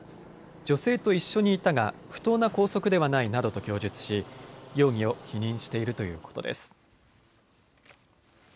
女性と一緒にいたが不当な拘束ではないなどと供述し容疑を否認しているということです。